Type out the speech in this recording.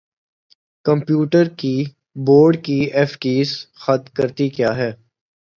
computer keyboard کی F keys خر کرتی کیا ہیں